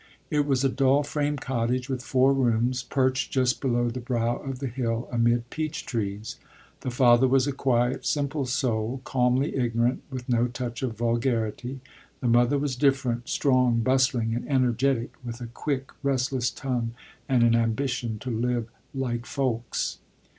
It was a dull frame cottage with four rooms, perched just below the brow of the hill, amid peach trees. The father was a quiet, simple soul, calmly ignorant, with no touch of vulgarity. The mother was different, strong, bustling, and energetic, with a quick, restless tongue, and an ambition to live "like folks."